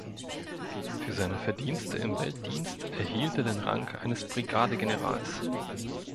Für seine Verdienste im Weltdienst erhielt er den Rang eines Brigadegenerals.